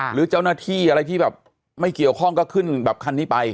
หรือเจ้าหน้าที่อะไรที่แบบไม่เกี่ยวข้องก็ขึ้นแบบคันนี้ไป